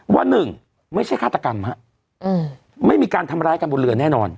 ว่าหนึ่งไม่ใช่ฆาตกรรมฮะไม่มีการทำร้ายกันบนเรือแน่นอน